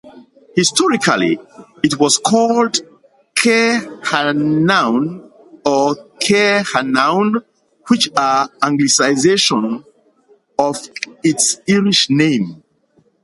Historically it was called "Keerhannaun" or "Keerhanaun", which are anglicisations of its Irish name.